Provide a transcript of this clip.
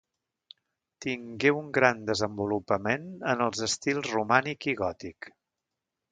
Tingué un gran desenvolupament en els estils romànic i gòtic.